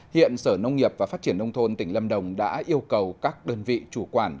hiện sở nông nghiệp và phát triển nông thôn tỉnh lâm đồng đã yêu cầu các đơn vị chủ quản